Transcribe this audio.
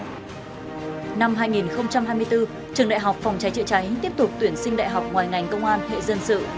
năm hai nghìn hai mươi bốn trường đại học phòng cháy chữa cháy tiếp tục tuyển sinh đại học ngoài ngành công an hệ dân sự